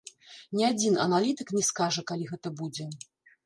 Ні адзін аналітык не скажа, калі гэта будзе.